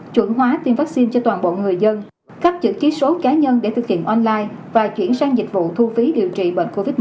chuẩn hóa tiêm vaccine cho toàn bộ người dân cấp chữ ký số cá nhân để thực hiện online và chuyển sang dịch vụ thu phí điều trị bệnh covid một mươi chín